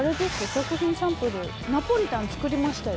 食品サンプルナポリタン作りましたよ